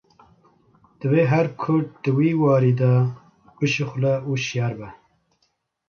Divê her Kurd di vî warî de bişixule û şiyar be